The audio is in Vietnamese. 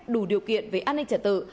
đủ điều kiện về an ninh trả tự